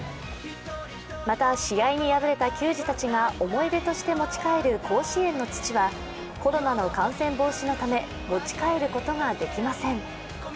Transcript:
また、試合に敗れた球児たちが思い出として持ち帰る甲子園の土はコロナの感染防止のため、持ち帰ることができません。